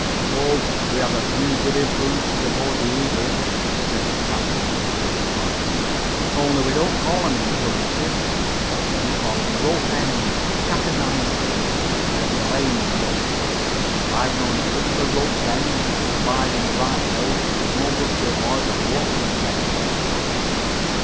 "Oh, we have a few good influences aboard the Eagle," said the captain with a grim smile. "Only we don't call 'em influences. We call 'em ropes' ends, or cat o' nine tails, or a belaying pin. I've known a limber rope's end, applied in the right place, do more good to a boy than lots of medicine."